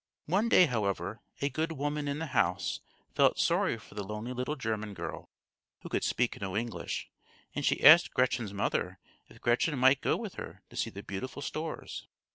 One day, however, a good woman in the house felt sorry for the lonely little German girl, who could speak no English, and she asked Gretchen's mother if Gretchen might go with her to see the beautiful stores.